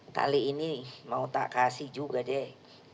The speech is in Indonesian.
kali ini mau tak kasih juga deh